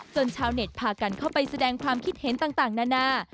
ชาวเน็ตพากันเข้าไปแสดงความคิดเห็นต่างนานา